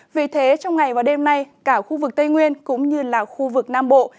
vì thế trong ngày và đêm nay cả khu vực tây nguyên cũng như là khu vực nam bộ